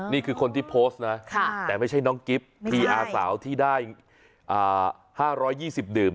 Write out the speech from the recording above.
นี่คือคนที่โพสต์นะแต่ไม่ใช่น้องกิฟต์พีอาสาวที่ได้๕๒๐ดื่ม